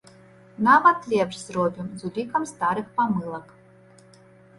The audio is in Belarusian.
Нават лепш зробім, з улікам старых памылак.